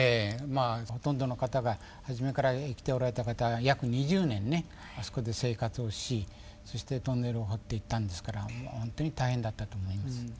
まあほとんどの方が初めから行っておられた方は約２０年ねあそこで生活をしそしてトンネルを掘っていったんですからほんとに大変だったと思います。